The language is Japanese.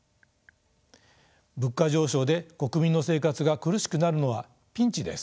物価上昇で国民の生活が苦しくなるのはピンチです。